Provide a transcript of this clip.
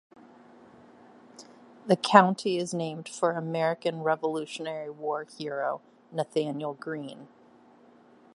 The county is named for American Revolutionary War hero Nathanael Greene.